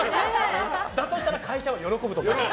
だとしたら会社は喜ぶと思います。